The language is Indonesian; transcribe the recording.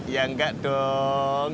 ya enggak dong